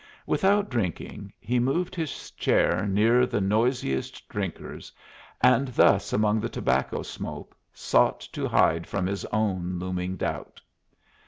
Without drinking, he moved his chair near the noisiest drinkers, and thus among the tobacco smoke sought to hide from his own looming doubt.